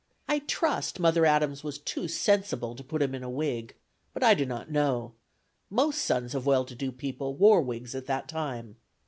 I trust Mother Adams was too sensible to put him in a wig, but I do not know; most sons of well to do people wore wigs at that time.